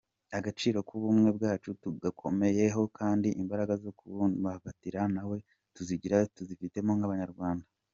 Agaciro k’ubumwe bwacu tugakomeyeho kandi imbaraga zo kububumbatira ntawe tuzitira tuzifitemo nk’abanyarwanda.